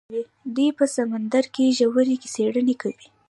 دوی په سمندر کې ژورې څیړنې کوي.